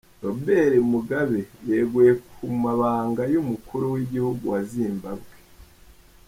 Robert Mugabe yeguye ku mabanga y'umukuru w'igihugu wa Zimbabwe .